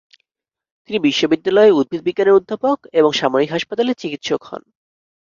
তিনি বিশ্ববিদ্যালয়ে উদ্ভিদবিজ্ঞানের অধ্যাপক এবং সামরিক হাসপাতালে চিকিৎসক হন।